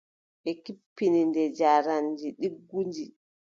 Ɓe kebbini nde njaareendi ɗiggundi.